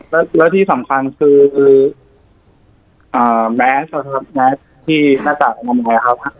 แล้วแล้วที่สำคัญคืออ่าแมสครับครับแมสที่หน้าจากอนามัยครับ